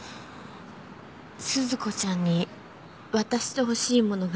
鈴子ちゃんに渡してほしいものがあります。